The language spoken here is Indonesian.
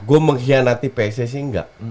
gue mengkhianati pcsi enggak